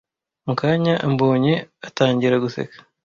Mu kanya ambonye, atangira guseka.